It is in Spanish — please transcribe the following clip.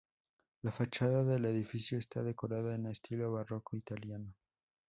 La fachada del edificio está decorada en estilo barroco italiano.